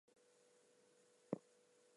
If you’re being chased by a dog, don’t run away.